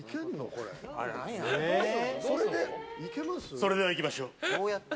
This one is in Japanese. それではいきましょう。